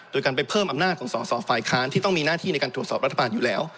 โดยการไปเพิ่มอำนาจของสอสอฝ่ายค้านที่ต้องมีหน้าที่ในการตรวจสอบรัฐบาลอยู่แล้ว